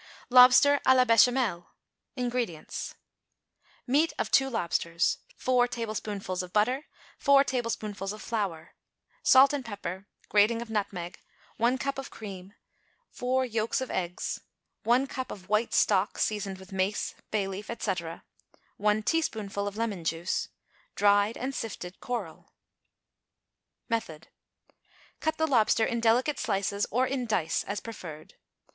=Lobster à la Bechamel.= INGREDIENTS. Meat of 2 lobsters. 4 tablespoonfuls of butter. 4 tablespoonfuls of flour. Salt and pepper. Grating of nutmeg. 1 cup of cream. 4 yolks of eggs. 1 cup of white stock, seasoned with mace, bay leaf, etc. 1 teaspoonful of lemon juice. Dried and sifted coral. Method. Cut the lobster in delicate slices or in dice, as preferred.